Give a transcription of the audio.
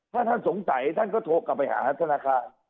ถ้าท่านสงสัยท่านก็โทรกลับไปหาธนาคาร